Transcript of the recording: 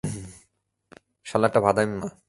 শালা একটা ভাদাইম্মা।